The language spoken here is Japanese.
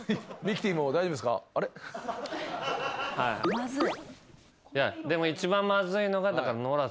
まずい。